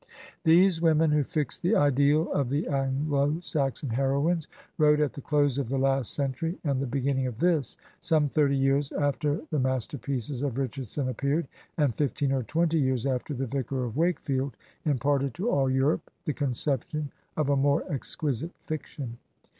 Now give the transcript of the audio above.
These women, who fixed the ideal of the Anglo Saxon heroines, wrote at the close of the last century and the banning of this, some thirty years after the master pieces of Richardson appeared, and fifteen or twenty years after "The Vicar of Wakefield" imparted to ^11 Europe the conception of a more exquisite fiction.